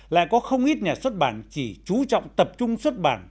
lại có không ít nhà xuất bản chỉ chú trọng tập trung xuất bản